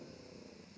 nggak ada pakarnya